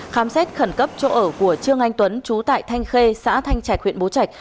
khám xét khẩn cấp chỗ ở của trương anh tuấn trú tại thanh khê xã thanh trạch huyện bố trạch